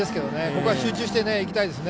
ここは集中していきたいですね